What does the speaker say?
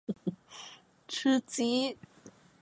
吃鸡